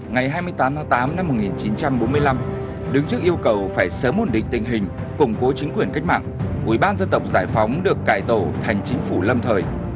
ngày hai mươi tám tháng tám năm một nghìn chín trăm bốn mươi năm đứng trước yêu cầu phải sớm ổn định tình hình củng cố chính quyền cách mạng ủy ban dân tộc giải phóng được cải tổ thành chính phủ lâm thời